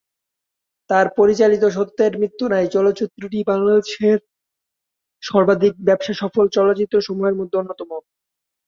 তার পরিচালিত "সত্যের মৃত্যু নাই" চলচ্চিত্রটি বাংলাদেশের সর্বাধিক ব্যবসাসফল চলচ্চিত্রসমূহের মধ্যে অন্যতম।